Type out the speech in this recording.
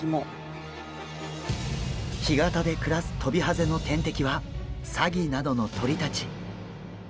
干潟で暮らすトビハゼの天敵はサギなどの鳥たち。